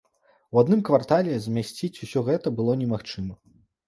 У адным квартале змясціць усё гэта было немагчыма.